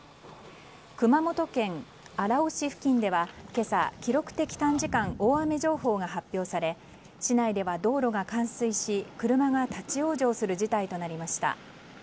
熊本県荒尾市付近では、今朝記録的短時間大雨情報が発表され市内では道路が冠水し車が立ち往生する事態となりました。